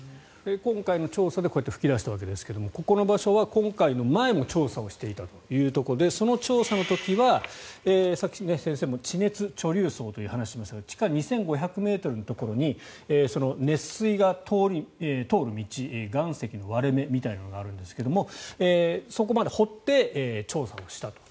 今回の調査で噴き出したわけですがここの場所は前も調査していたということでその調査の時はさっき、先生も地熱貯留層という話をしましたが地下２５００ｍのところに熱水が通る道岩石の割れ目みたいなのがあるんですがそこまで掘って調査をしたと。